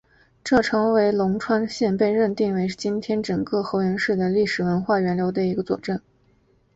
这成为龙川县被认为是今天整个河源市的历史文化源流的一个佐证。